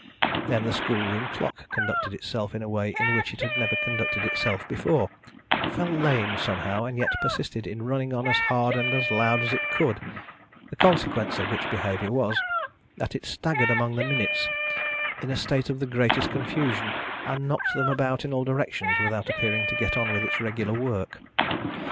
Then, the schoolroom clock conducted itself in a way in which it had never conducted itself before fell lame, somehow, and yet persisted in running on as hard and as loud as it could: the consequence of which behaviour was, that it staggered among the minutes in a state of the greatest confusion, and knocked them about in all directions without appearing to get on with its regular work.